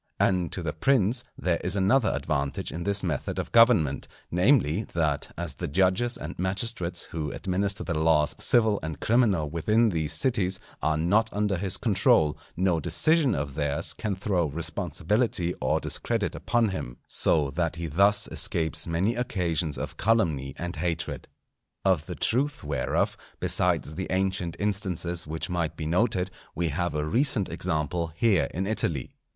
And to the prince there is another advantage in this method of government, namely, that as the judges and magistrates who administer the laws civil and criminal within these cities, are not under his control, no decision of theirs can throw responsibility or discredit upon him; so that he thus escapes many occasions of calumny and hatred. Of the truth whereof, besides the ancient instances which might be noted, we have a recent example here in Italy.